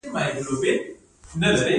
غنم کرل د برکت کار دی.